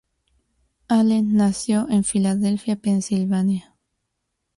Allen nació en Filadelfia, Pensilvania.